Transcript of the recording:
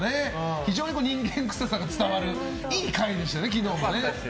非常に人間くささが伝わるいい回でしたね、昨日は。